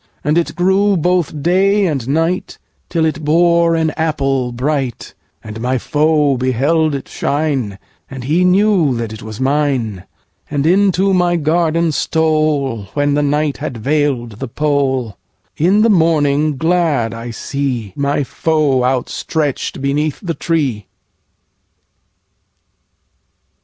And it grew both day and night, Till it bore an apple bright; And my foe beheld it shine, And he knew that it was mine, And into my garden stoleWhen the night had veil'd the pole:In the morning glad I seeMy foe outstretch'd beneath the tree.